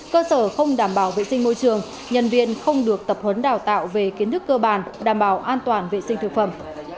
cơ sở không đảm bảo vệ sinh môi trường nhân viên không được tập huấn đào tạo về kiến thức cơ bản đảm bảo an toàn vệ sinh thực phẩm